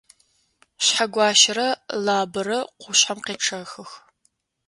Шъхьэгуащэрэ Лабэрэ къушъхьэм къечъэхых.